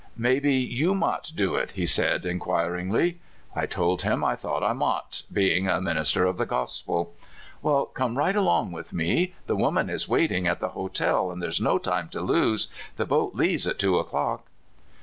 "Maybe you mought do it?" he said inquir ingly. CALIFORNIA WEDDINGS. 307 I told him I thought I " mought/' being a min ister of the gospel. *' Well, come right along with me. The woman is waiting at the hotel, and there's no time to lose. The boat leaves at two o'clock."